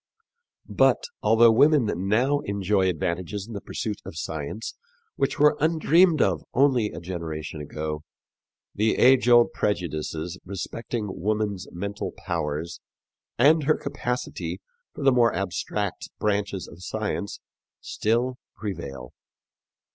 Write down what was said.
But, although women now enjoy advantages in the pursuit of science which were undreamed of only a generation ago, the age old prejudices respecting woman's mental powers and her capacity for the more abstract branches of science still prevail.